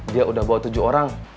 dia udah bawa tujuh orang